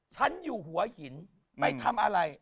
ฉันอยู่หัวหินไปทำอะไร